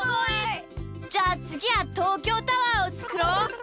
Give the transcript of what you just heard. じゃあつぎはとうきょうタワーをつくろう！